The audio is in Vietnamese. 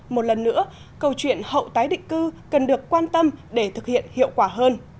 một lần nữa câu chuyện hậu tái định cư cần được quan tâm để thực hiện hiệu quả hơn